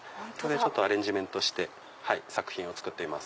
アレンジメントして作品を作っています。